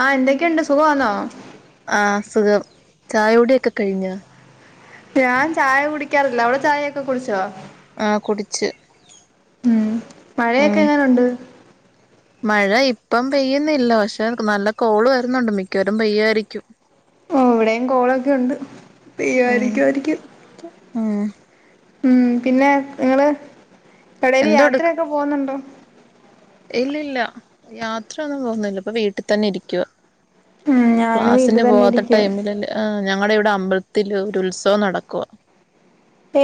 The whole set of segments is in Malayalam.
ആ എന്തൊക്കെണ്ട് സുഖാന്നോ ആ സുഖം ചായുടിയൊക്കെ കഴിഞ്ഞോ ഞാൻ ചായ കുടിക്കാറില്ല അവടെ ചായയൊക്കെ കുടിച്ചോ ആ കുടിച്ച് ഉം ഉം മഴയൊക്കെ എങ്ങനുണ്ട് മഴ ഇപ്പം പെയ്യ്ന്നില്ല പക്ഷെ നല്ല കോള് വരുന്നുണ്ട് മിക്കവരും പെയ്യ് വായിരിക്കും ഓ ഇവിടേം കോളൊക്കെ ഒണ്ട് പെയ്യ് ഉം വാരിക്കു ആയിരിക്കും ഉം ഉം പിന്നെ ങ്ങള് എവിടേലും യാത്രയൊക്കെ പോന്നുണ്ടോ ഇല്ലല്ല യാത്രയൊന്നും പോകുന്നില്ല ഇപ്പ വീട്ടി തന്നെ ഇരിക്ക ഉം ഞാനും ക്ലാസ്സിന് വീട്ടിൽ തന്നെ പോവാത്ത ഇരിക്കുവാ ടൈമിലല്ലെ ആ ഞങ്ങടെ ഇവടെ അമ്പലത്തില് ഒരു ഉത്സവം നടക്കുവ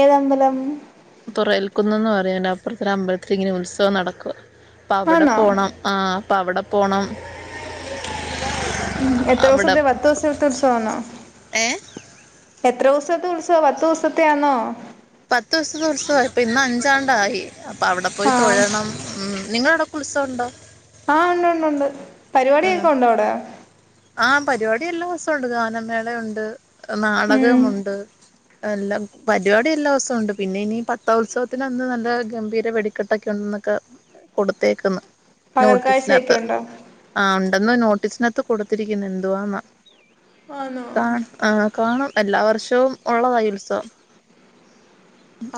ഏതമ്പലം തൊറേൽക്കുന്ന് ന്ന് പറയും അയ്ന്റപ്പറത്ത് ഒരമ്പലത്തില് ഇങ്ങനെ ഉത്സവം നടക്കുവ അപ്പവടെ ആന്നോ പോണം ആ അപ്പൊ അവടെ പോണം ഉം എത്ര അവിടെ ദിവസത്തെ പത്ത് ദിവസത്തെ ഉത്സവാണോ ഏഹ് എത്ര ദിവസത്തെ ഉത്സവ പത്തുസത്തെ ആന്നോ പത്ത് ദിവസത്തെ ഉത്സവ ഇപ്പ ഇന്ന് അഞ്ചാണ്ടായി അപ്പ അവടെ പോയി ആഹ് തൊഴണം ഉം നിങ്ങളവടൊക്കെ ഉത്സവണ്ടോ ആ ഉണ്ട്ണ്ട്ണ്ട് ഉം പരിപാടിയൊക്കെ ഒണ്ട് വടെ ആ പരിപാടി എല്ലാ ദിവസവും ഉണ്ട് ഗാനമേള ഉണ്ട് ഉം നാടകമുണ്ട് എല്ലം പരിപാടി എല്ലാ ദിവസുണ്ട് പിന്നെ ഇനി പത്താം ഉത്സവത്തിന് അന്ന് നല്ല ഗംഭീര വെടിക്കെട്ട് ട്ടൊക്കെ ഉണ്ട് ന്നൊക്കെ കൊടുത്തേക്ക്‌ന്ന് നോട്ടീസിനാത്ത് പകൽക്കാഴ്ചയൊക്കെ ഉണ്ടോ ആ ഉണ്ടെന്ന് നോട്ടീസിനാത്ത് കൊടുത്തിരിക്ക്‌ന്ന് എന്തുവാന്ന ആന്നോ കാണ് ആ കാണും എല്ലാ വർഷവും ഒള്ളതാ ഈ ഉത്സവം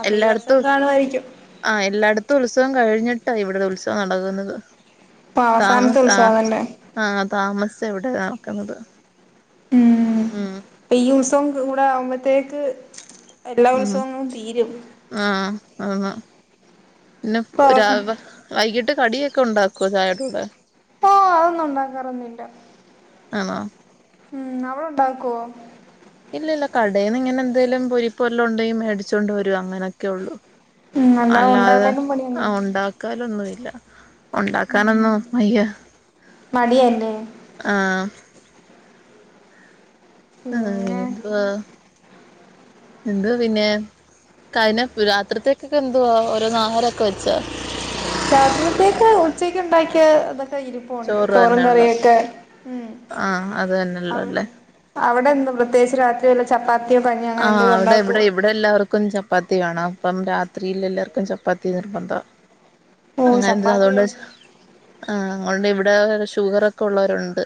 അപ്പൊ ഈ വർഷം എല്ലാട്ത്തും കാണുമായിരിക്കും ആ എല്ലാട്ത്തും ഉത്സവം കഴിഞ്ഞിട്ടാ ഇവ്ട്ത്തെ ഉത്സവം നടക്കുന്നത് ഇപ്പൊ അവസാനത്തെ താമസ് ആ ഉത്സവം തന്നെ ആ താമസ്ച്ചാ ഇവടെ നടക്കുന്നത് ഉം ഇപ്പീ ഉത്സവം കൂടെ ആകുമ്പത്തേക്ക് എല്ലാ ഉത്സവങ്ങളും തീരും ആഹ ആ പിന്നെ ഇപ്പൊ അവസാ രാവ വൈകിട്ട് കടി ഒക്കെ ഉണ്ടാക്കുവോ ചായക്ക്‌ ഒക്കെ ആ അത് ഒന്നും ഉണ്ടാക്കാറ് ഒന്നും ഇല്ല ആണോ മം അവിടെ ഒണ്ടാക്കോ ഇല്ല ഇല്ല കടേന്ന് ഇങ്ങനെ എന്തേലും പൊരിപ്പൊല്ല് ഒണ്ടേങ്കിൽ മേടിച്ചോണ്ട് വരും അങ്ങനെ ഒക്കെ ഒള്ളൂ ഉം അല്ലാതെ ഉണ്ടാക്കാനും ആ പണിയല്ലേ ഒണ്ടാക്ക ക്കാലൊന്നുമില്ല ഒണ്ടാക്കാന് ഒന്നും വയ്യ മടിയല്ലേ ആഹ ആഹ പിന്നെ എന്തുവാ എന്തുവാ പിന്നെ രാത്രിത്തേക്ക്‌ ഒക്കെ എന്തുവാ ഓരോ ആഹാരൊക്കെ വെച്ചാ രാത്രിൽത്തേക്ക് ഉച്ചയ്ക്ക് ഉണ്ടാക്കിയ ഇതൊക്കെ ഇരു ഒണ്ട് ചോറ് ചോറും തന്നെ ഉള്ളെ കറിയൊക്കെ ഉ ആഹ് അത് തന്നെയള്ള അ അല്ലേ അവിടെ എന്താ പ്രത്യേകിച്ച് രാത്രി വെല്ല ചപ്പാത്തിയോ കഞ്ഞി അങ്ങനെ ആഹ് എന്തേലും അവിടെ ഉണ്ടാക്കുവോ ഇവിടെ ഇവിടെ എല്ലാവർക്കും ചപ്പാത്തി വേണം ഇപ്പം രാത്രിയിൽ എല്ലാവർക്കും ചപ്പാത്തി നിർബന്ധം ഓ അങ്ങന്ത് അത് ചപ്പാത്തി കൊണ്ട് കഴി ചോദിച്ചതാ ആ ഒണ്ട് ഇവിടെ ഷുഗർ ഒക്കെ ഒള്ളവര് ഒണ്ട്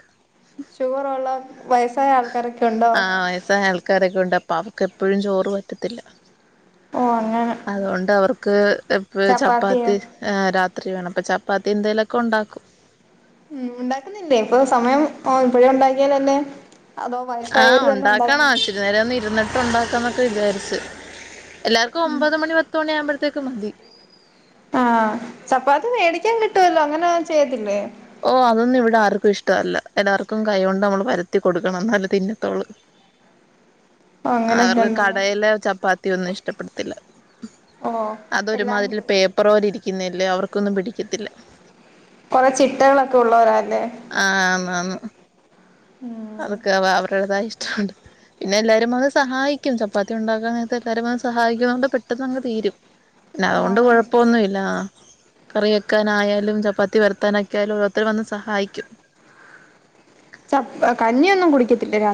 ഷുഗർ ഒള്ള വയസ്സ് ആ വയസായ ആൾക്കാര് ഒക്കെ ഒണ്ട് അപ്പ അവർക്ക് എപ്പോഴും ചോറ് പറ്റത്തില്ല ഓ അങ്ങനെ അതു കൊണ്ട് അവർക്ക് എപ്പഴും ചപ്പാത്തിയോ ചപ്പാത്തി ആ രാത്രി വേണം അപ്പ ചപ്പാത്തി എന്തേല് ഒക്കെ ഒണ്ടാക്കും ഉ ഉണ്ടാക്കുന്നില്ലേ ഇപ്പ സമയം പൊ ഇപ്പോഴേ ഉണ്ടാക്കിയാല് അല്ലേ അതോ വയസ്സായവര് തന്നെ ഒണ്ടാക്കി ഇന്നേരം ഒന്ന് ഇരുന്നിട്ട് ഒണ്ടാക്കാന്ന് ഒക്കെ വിചാരിച്ചു എല്ലാർക്കും ഒമ്പത് മണി പ പത്തു മണി ആവുമ്പോഴത്തേക്ക് മതി ആഹ ചപ്പാത്തി മേടിക്കാൻ കിട്ടുവല്ലോ അങ്ങനെ ചെയ്യത്തില്ലേ ഓ അതൊന്നും ഇവിടെ ആർക്കും ഇഷ്ട അല്ല എല്ലാർക്കും കൈ കൊണ്ട് നമ്മള് പരത്തി കൊടുക്കണം എന്നാലെ തിന്നത്തോള് ഓ ആ അങ്ങനെയൊക്കെ അവർക്ക് ഉണ്ടല്ലേ കടേലെ ചപ്പാത്തി ഒന്നും ഇഷ്ട പ്പെടത്തില്ല ഓ അത് എല്ലാം ഒരുമാതിരി ഇല്ലേ പേപ്പർ പോല ഇരിക്കുന്നില്ലേ അവർക്ക്‌ ഒന്നും പിടിക്കത്തില്ല കൊറെ ചിട്ടകള് ഒക്കെ ഉള്ളവരാ അവര് അല്ലേ ആ ആന്ന് ആന്ന് അതത് ഒക്കെ അവ അവരുടതായ ഇഷ്ട അല്ലേ പിന്നെ എല്ലാരും വന്ന് സഹായിക്കും ചപ്പാത്തി ഉണ്ടാക്കാൻ നേരത്ത് എല്ലാരും വന്ന് സഹായിക്കുന്നത് കൊണ്ട് പെട്ടെന്ന് അങ്ങ് തീരും പിന്നെ അത് ഓ കൊണ്ട് അങ്ങനെ കൊഴപ്പൊന്നും ഇല്ല കറി വെക്കാന് ആയാലും ചപ്പാത്തി പരത്താന് ഒക്കെ ആയാലും ഓരോരുത്തര് വന്ന് സഹായിക്കും ചപ്പ കഞ്ഞി ഒന്നും കുടിക്കത്തില്ലേ രാ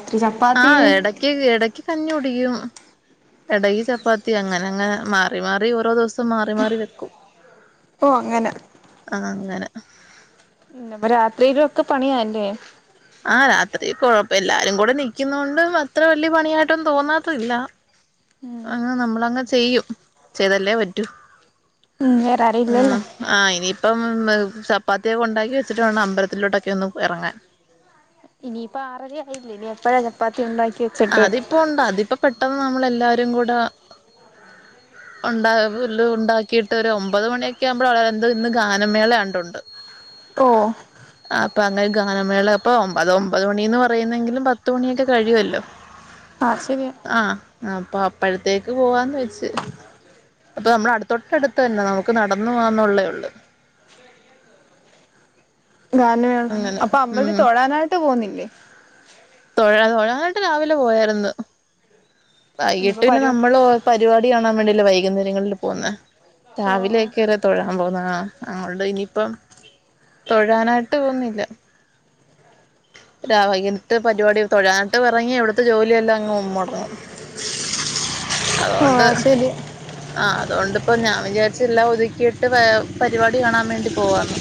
ആഹ എടക്ക് എടക്ക് കഞ്ഞി കുടിക്കും എടക ചപ്പാത്തി അങ്ങനെ അങ്ങനെ മാറി മാറി ഓരോ ദിവസം മാറി മാറി വെക്കും ഓ അങ്ങന. അത് അങ്ങന. രാത്രിയിലൊക്കെ പണിയാലേ. ആ രാത്രി കുഴപ്പം എല്ലാരും കൂടെ നിൽക്കുന്ന കൊണ്ടും അത്ര വലിയ പണിയായിട്ടൊന്നും തോന്നാത്തത്തില്ല. അങ്ങനെ നമ്മളങ്ങ് ചെയ്യും. ചെയ്തല്ലേ പറ്റൂ. ഉം വേറാരും ഇല്ലല്ലോ. ആഹ ഇനിയിപ്പം ചപ്പാത്തിയൊക്കെ ഉണ്ടാക്കി വെച്ചിട്ട് വേണം അമ്പലത്തിലോട്ടൊക്കെ ഒന്ന് ഇറങ്ങാൻ. ഇനിയിപ്പ ആറര ആയില്ലേ ഇനി എപ്പഴാ ചപ്പാത്തി ഉണ്ടാക്കി വെച്ചിട്ട് അതിപ്പോ ഉണ്ട് അതിപ്പോ പെട്ടെന്ന് നമ്മൾ എല്ലാരും കൂട [inaudible] ഉണ്ടാ പുല് ഉണ്ടാക്കിയിട്ട് ഒരു ഒമ്പത് മണിയൊക്കെ ആകുമ്പോൾ എന്ത് ഇന്ന് ഗാനമേളയാണ്ടുണ്ട്. ഓഹ്‌ ആഹ അപ്പ അങ്ങനെ ഗാനമേള അപ്പോ ഒമ്പത് ഒമ്പത് മണിയെന്ന് പറയുന്നെങ്കിലും പത്തുമണിയൊക്കെ കഴിയുമല്ലോ. ആഹ ശരിയാണ്. ആഹ് അപ്പൊ അപ്പഴത്തേക്ക് പോവാന്ന് വെച്ച്. ഇപ്പോൾ നമ്മുടെ അടുത്ത തൊട്ടടുത് തന്നെ നമുക്ക് നടന്നു പോകന്നെന്നുള്ളേ ഉള്ളൂ. ഗാന അങ്ങനെ അപ്പൊ അമ്പലത്തിൽ ഉം തൊഴാനായിട്ട് പോകുന്നില്ലേ. തൊഴ തൊഴാനായിട്ട് രാവിലെ പോയ യിരുന്നു. വൈകിട്ട് ഇനിയിപ്പോ പിന്നെ പരു നമ്മൾ പരിപാടി കാണാൻ വേണ്ടില്ലേ വൈകുന്നേരങ്ങളിൽ പോകുന്ന ഓ രാവിലെ കേറ തൊഴാൻ പോകുന്നതാണ്. അങ്ങോണ്ട് ഇനിയിപ്പം തൊഴാനായിട്ട് പോകുന്നില്ല. വൈകിട്ട് പരിപാടി തൊഴാനിട്ട് ഇറങ്ങി ഇവിടുത്തെ ജോലിയെല്ലാം അങ്ങ്മുടങ്ങും [inaudible] അതുകൊണ്ട് അത് ശരി ആഹ് അതുകൊണ്ട് ഇപ്പോ ഞാൻ വിചാരിച്ച് എല്ലാം ഒതുക്കിയിട്ട് പരിപാടി കാണാൻ വേണ്ടി പോവാന്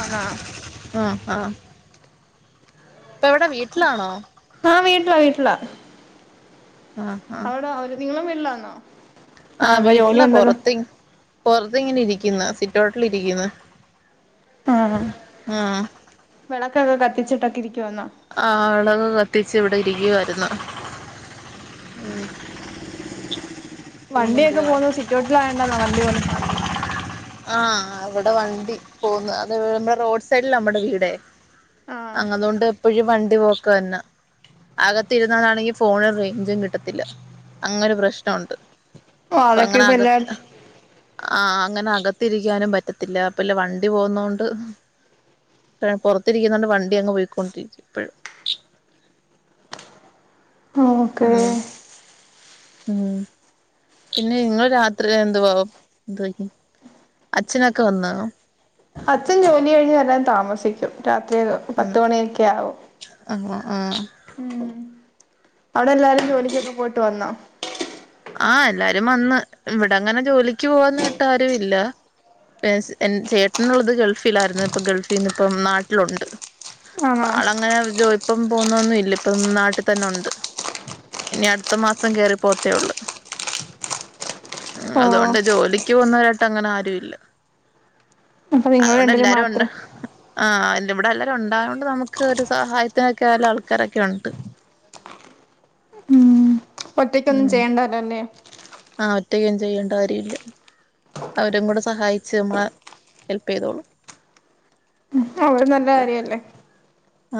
ആന്ന ആഹ ആഹ ഇപ്പ എവിടെ വീട്ടിലാണോ. ആഹ വീട്ടില വീട്ടില. ആ ആ അവിട അവര് നിങ്ങളും വീട്ടില്ലന്നോ. ആഹ് വീട്ടിലാ പൊറത്ത് ഇ പൊറത്ത് ഇങ്ങനെ ഇരിക്കുന്നു സിറ്റോട്ടിലിരിക്കുന്നു. ആഹ് വിളക്കൊക്കെ കത്തിച്ചിട്ടൊക്കെ ഇരിക്കുവോന്നോ. ആഹ വിളക് കത്തിച്ച് ഇവിടെ ഇരിക്കുവായിരുന്നു.. മ്മ് വണ്ടിയൊക്കെ പോകുന്ന സിറ്റൗട്ടിൽ ആയണോണ്ട വണ്ടി പോകുന്ന സൗണ്ട്. ആഹ് അവിടെ വണ്ടി പോകുന്ന അത് നമ്മടെ റോഡ് സൈഡില് നമ്മടെ വീടെ. ആഹ് അതൊണ്ട് എപ്പോഴും വണ്ടി പോക്ക് തന്നെ. അകത്തിരുന്നതാണെങ്കി ഫോണിന് റേഞ്ചും കിട്ടത്തില്ല അങ്ങനൊരു പ്രശ്നമുണ്ട്. ഓ അപ്പ അതൊക്കെ അങ്ങനെ ഇപ്പ അകത്ത്. എല്ലായിടത്തും ആഹ അങ്ങനെ അകത്തിരിക്കാനും പറ്റത്തില്ല. അപ്പ ഇല്ല വണ്ടി പോകുന്ന കൊണ്ട്. പുറത്തിരിക്കുന്നകൊണ്ട് വണ്ടി അങ്ങ് പോയിക്കൊണ്ടിരിക്കും ഇപ്പഴും. മ്മ് ഓക്കെ. മ്മ് പിന്നെ നിങ്ങള് രാത്രി എന്തുവാ എന്ത് വയ്ക്കും അച്ഛനൊക്കെ വന്നാ. അച്ഛൻ ജോലി കഴിഞ്ഞ് വരാൻ താമസിക്കും. രാത്രി പത്ത് മണിയൊക്കെ ആകും. അങ്ങ് ആഹ്. അവിടെ എല്ലാരും ജോലിക്കൊക്കെ പോയിട്ട് വന്നോ. ആഹ് എല്ലാരും വന്ന് ഇവിടെ അങ്ങനെ ജോലിക്ക് പോവാന്ന് കേട്ട് ആരും ഇല്ല. ചേട്ടനുള്ളത് ഗൾഫിലായിരുന്നു. ഇപ്പൊ ഗൾഫിന്ന് ഇപ്പം നാട്ടിലുണ്ട്. ആണോ ആൾ അങ്ങനെ ജോ ഇപ്പം പോന്നൊന്നും ഇല്ല ഇപ്പം നാട്ടി തന്നെ ഉണ്ട് ഇനി അടുത്ത മാസം കേറി പോവത്തേ ഉള്ളൂ. ഉം ഓ അതോണ്ട് ജോലി. ക്ക് പോവ്ന്നരാട്ട് അങ്ങനെ ആരും ഇല്ല അപ്പൊ നിങ്ങൾ അത്കൊണ്ട് രണ്ടര് എല്ലാരും ഉണ്ട്. മാത്രം ആഹ് ഇന്റെ ഇവിടെ എല്ലാരും ഉണ്ടായോണ്ട് നമുക്ക് ഒരു സഹായത്തിനൊക്കെ നല്ല ആൾക്കാരൊക്കെ ഉണ്ട്. ഉം ഒറ്റക്കൊന്നും ഉം ചെയ്യണ്ടാല്ലോലെ. ആഹ് ഒറ്റക്കൊന്നും ചെയ്യേണ്ട കാര്യല്ല. അവരും കൂടെ സഹായിച്ച് നമ്മളെ ഹെൽപ്പെയ്തോളും. അവള് നല്ല കാര്യല്ലേ.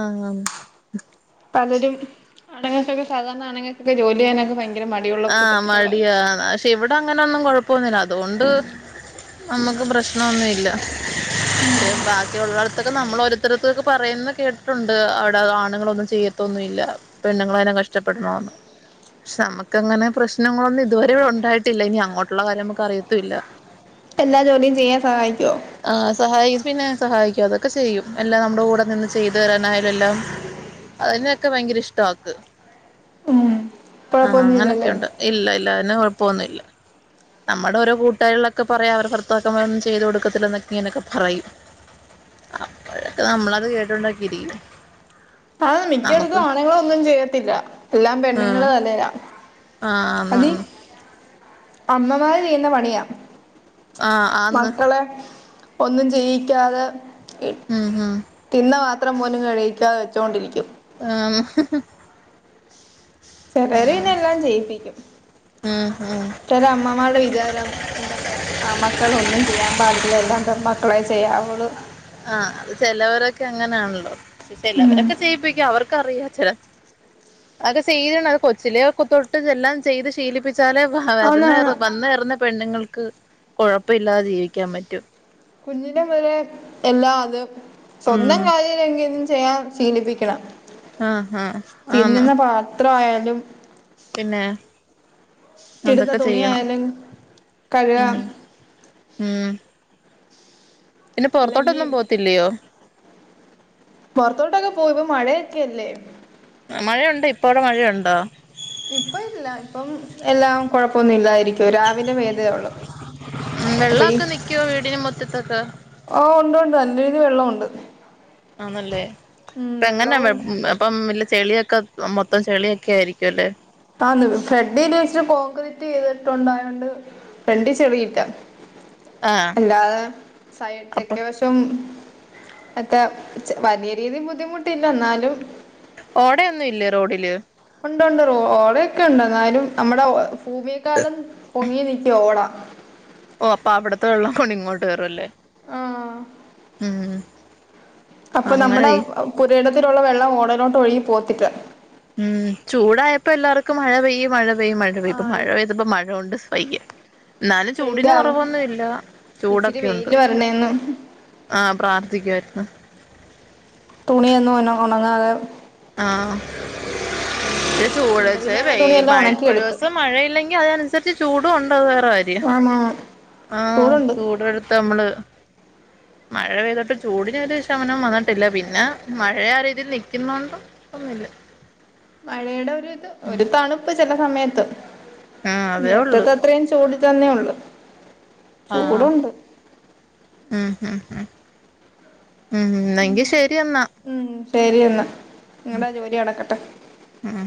ആഹ് [unintelligible] പലരും ആണുങ്ങക്കൊക്കെ സാധാരണ ആണുങ്ങക്കൊക്കെ ജോലിയ്യാനൊക്കെ ഭയങ്കര മടിയുള്ള കൂട്ടത്തിലുള്ള ആളാ ട്ടി ഇവിടെ അങ്ങനൊന്നും കൊഴപ്പൊന്നുംല്ല അതുകൊണ്ട് നമ്മുക്ക് പ്രശ്ന ഒന്നു ഇല്ല ബാക്കിയുള്ളടത്തൊക്കെ നമ്മളോരോത്തർത്തൊക്കെ പറയുന്ന കേട്ട്ട്ടുണ്ട് അവിടെ ആണുങ്ങളൊന്നും ചെയതി ത്തൊന്നു ഇല്ല പെണ്ണുങ്ങളെന്നെ കഷ്ടപ്പെടൊണോന്ന് പക്ഷേ അമ ക്കെങ്ങനെ പ്രശ്നങ്ങളൊന്നും ഇതുവരെ ഉണ്ടായിട്ടില്ല ഇനി അങ്ങോട്ടുള്ള കാര്യ അമ്മക്ക് അറിയത്തൂല്ല. എല്ലാ ജോലിയും ചെയ്യാൻ സഹായിക്കോ? ആഹ് സഹായി പിന്നെ സഹായിക്കും അതൊക്കെ ചെയ്യും എല്ലാം നമ്മുടെ കൂടെ നിന്ന് ചെയ്ത് തരാനായാലും എല്ലാം. അതിനൊക്കെ ഭയങ്കര ഇഷ്ട്ടാക്ക്. ഉം കൊഴപ്പൊന്നുല്ലലേ അങ്ങനൊക്കെയുണ്ട് ഇല്ല ഇല്ല അയ്ന് കൊഴപ്പൊന്നുല്ല. നമ്മുടെ ഓരോ കൂട്ടാരിളൊക്കെ പറയാ അവരെ ഭറത്താക്കന്മാര് ഒന്നും ചെയ്ത് കൊടുക്കത്തില്ല എന്നൊക്കെ പറയും. ഇങ്ങനൊക്കെ പറയും അപ്പഴൊക്കെ നമ്മളത് കേട്ടോണ്ടൊക്കയിരിക്കും. ആഹ് മിക്കയിടത്തും ആണുങ്ങളൊന്നും ചെയ്യത്തില്ല എല്ലാം പെണ്ണുങ്ങൾ ആഹ് തന്നെയാ. ആഹ് ന്നാന്ന്. അമ്മമാര് ചെയ്യുന്ന പണിയാ. ആഹ് ആന്ന് മക്കളെ ഒന്നും ചെയ്യിക്കാതെ ഇ ഉം ഹും. തിന്ന പാത്രം പോലും കഴികിക്കാതെ വെച്ചോണ്ടിരിക്കും. ആഹ് ചെരേര് പിന്നെല്ലാം ചെയ്യിപ്പിക്കും ഉം ഉം ചെല അമ്മമാരുടെ വിജാരം. എന്റെ പെൺ ആമക്കളൊന്നും ചെയ്യാൻ പാടില്ല എല്ലാം പെൺമക്കളെ ചെയ്യാവുള്ളൂ. ആഹ് അത് ചെലവരൊക്കെ അങ്ങനെയാണല്ലോ ഉം ചെലവരൊക്കെ ചെയ്യിപ്പിക്കു അവർക്ക്. ക്കറിയാം ചെല അതൊക്കെ ശീലാണ് കൊച്ചിലെ തൊട്ട് എല്ലാം ചെയ്ത് ശീലപ്പിച്ച്. ച്ചാലെ വരുന്ന കേർ ആന്നാണ് വന്നു കേറുന്ന പെണ്ണുങ്ങക്ക് കൊഴപ്പ ഇല്ലാതെ ജീവിക്കാൻ പറ്റു. കുഞ്ഞിലെ മുതലേ എല്ലാ അത് സ്വന്തം ഉം കാര്യയിലെങ്കിലും ചെയ്യാൻ. ശീലിപ്പിക്കണം ആഹ് ആഹ് ആന്ന് തിന്നുന്ന പാത്ര ആയാലും. പിന്നെ. ഇടുന്ന അതൊക്കെ ചെയ്യണം തുണിയായാലും കഴുകാൻ ഉം ഉം. പിന്നെ അല്ലെങ്കിൽ പൊർത്തോട്ടൊന്നും പോവത്തില്ലയോ? പൊർത്തോട്ടൊക്കെ പോവും ഇപ്പോ മഴയൊക്കെല്ലേ. മഴയുണ്ടോ ഇപ്പൊ അവ്ടെ മഴയുണ്ടോ? ഇപ്പ ഇല്ല ഇപ്പം എല്ലാം കൊഴപ്പൊന്നും ഇല്ലായിരിക്കും. രവിലെ പെയ്തേ ഉള്ളൂ ഉം അപ്പൊ ഈ. വെള്ളമൊക്കെ നിക്കുവോ വീടിന് മുറ്റത്തൊക്കെ ഓഹ് ഉണ്ട് ഉണ്ട് നല്ല രീതി വെള്ളം ഉണ്ട്. ആന്നല്ലേ ഇപ്പ എങ്ങനെ വെള്ളവും വെപ് വെ. ഇപ്പം എല്ല ചെളിയൊക്കെ മൊത്തം ചെളിയൊക്കെ ആയിരിക്കും അല്ലേ? ആന്ന് ഫ്രെഡ്ല് വെച്ച് കോൺക്രീറ്റ് ചെയ്തിട്ടുണ്ടായോണ്ട്. ഫ്രണ്ടി ചെളിയൊക്കാ ആഹ് അല്ലാതെ അപ്പൊ സൈത്തെക്കെ വശ്. ലേശംമറ്റെ വലിയ രീതിൽ ബുദ്ധിമുട്ടില്ല എന്നാലും. ഓടയൊന്നും ഇല്ലേ റോഡില്? ഉണ്ട്ണ്ട് ഓടയൊക്കെണ്ട് എന്നാലും നമ്മുടെ പുമിയെ ഓ അപ്പവിടുത്തെ വെള്ളം കൊണ് ഇങ്ങോട്ട് വരൂലെ ആഹ് ഉം അപ്പൊ അങ്ങനെ നമ്മുടെ പുരയിടത്തിലുള്ള വെള്ളം ഓടലോട്ട് ഒഴുകി പോവത്തില്ല ഉം ചൂടായപ്പോ എല്ലാർക്കും മഴ പെയ് മഴ പെയ്മഴ പെയ് ഇപ്പ ആഹ് മഴ പെയ്തപ്പോ മഴ ഉണ്ട് വയ്യ ന്നാലും ചൂടിന് കു വെയിലാവും റവൊന്നും ഇല്ല ഇച്ചിരി ചൂടൊക്കെയുണ്ട് വെയില് വരണേന്ന് ആഹ പ്രാർത്ഥിക്കുവായിരുന്നു തുണിയൊന്നുംഒന്നും ഉണങ്ങാതെ ആഹത് ഇന്ന് ചൂടോടത്ത് പിന്നെ ഉള്ള വയ്യ തുണിയെല്ലാം മഴ ഒരു ഒണക്കിയെടുത്ത് ദിവസം മഴയില്ലെങ്കിൽ അതനുസരിച്ച് ചൂടും ഉണ്ടത് വേറെ കാര്യം ആണ ആഹ ചൂട് എടുത്ത നമ്മള് മഴ പെയ്തപോ ചൂടി ന്ഒരു ശമനം വന്നിട്ടില്ല പിന്നെ മഴയ ആ രീതിയിൽ നിൽക്കുന്നൊണ്ട് ഒന്നും ഇല്ല മഴയുടെ ഒരു ഇത് ഒരു തണുപ്പ് ചില സമയത്ത് ആഹ് അതേ ഉള്ളു നേരത്തത്തെ അത്രയും ചൂട് ഇല്ലാ ന്നുള്ളൂ ആആഉ ഉ ഉം ഉം എങ്കിൽ ശരി എന്നാ ഉം ശരിയാ ന്ന നിങ്ങളുടെ ജോലി നടക്കട്ടെ ആഹ